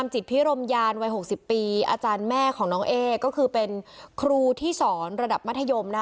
จิตพิรมยานวัย๖๐ปีอาจารย์แม่ของน้องเอ๊ก็คือเป็นครูที่สอนระดับมัธยม